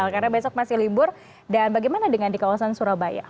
karena besok masih libur dan bagaimana dengan di kawasan surabaya